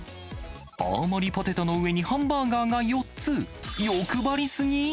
大盛りポテトの上にハンバーガーが４つ。